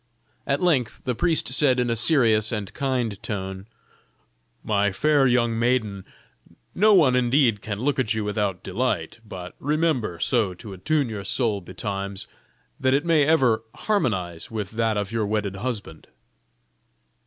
At length the priest said in a serious and kind tone: "My fair young maiden, no one indeed can look at you without delight; but remember so to attune your soul betimes, that it may ever harmonize with that of your wedded husband."